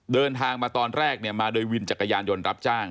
เดินทางมาตอนแรกเนี่ยมาโดยวินจักรยานยนต์รับจ้าง